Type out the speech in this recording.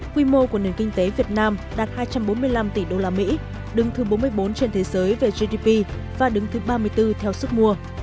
quy mô của nền kinh tế việt nam đạt hai trăm bốn mươi năm tỷ usd đứng thứ bốn mươi bốn trên thế giới về gdp và đứng thứ ba mươi bốn theo sức mua